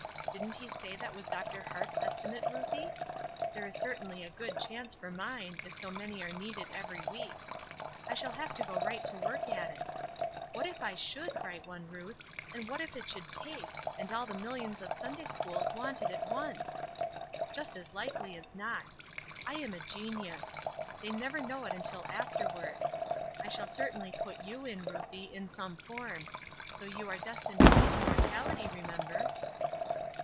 Didn't he say that was Dr. Hart's estimate, Ruthie? There is certainly a good chance for mine, if so many are needed every week. I shall have to go right to work at it. What if I should write one, Ruth, and what if it should take, and all the millions of Sunday schools want it at once! Just as likely as not. I am a genius. They never know it until afterward. I shall certainly put you in, Ruthie, in some form. So you are destined to immortality, remember."